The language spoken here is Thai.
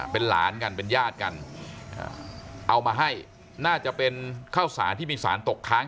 เป็นหลานกันเป็นญาติกันเอามาให้น่าจะเป็นข้าวสารที่มีสารตกค้าง